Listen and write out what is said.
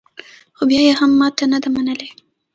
خو بیا یې هم ماته نه ده منلې